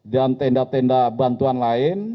dan tenda tenda bantuan lain